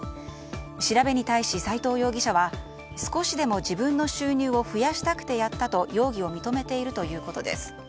調べに対し斎藤容疑者は少しでも自分の収入を増やしたくてやったと、容疑を認めているということです。